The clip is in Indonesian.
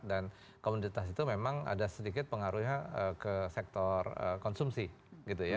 dan komoditas itu memang ada sedikit pengaruhnya ke sektor konsumsi gitu ya